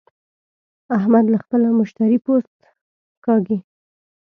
احمد له خپله مشتري پوست کاږي.